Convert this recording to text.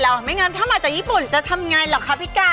แล้วถ้ามาจากญี่ปุ่นจะทำไงเหรอค่ะพี่ก้าว